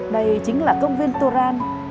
đây chính là công viên turang